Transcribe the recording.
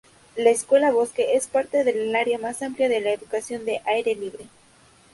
La escuela-bosque es parte de un área más amplia de educación al aire libre.